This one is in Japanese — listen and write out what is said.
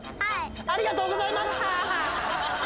ありがとうございます。